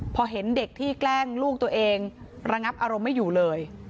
พอเห็นเด็กที่แกล้งลูกตัวเองระงับอารมณ์ไม่อยู่เลย